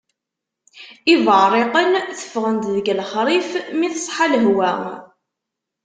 Iberriqen teffɣen-d deg lexrif mi teṣḥa lehwa.